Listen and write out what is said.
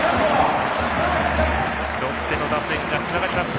ロッテの打線がつながります。